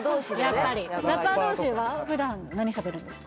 やっぱりラッパー同士では普段何しゃべるんですか？